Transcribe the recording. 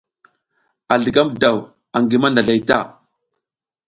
A zligam daw angi mandazlay ta.